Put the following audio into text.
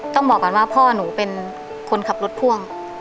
ต้องบอกก่อนว่าพ่อหนูเป็นคนขับรถพ่วง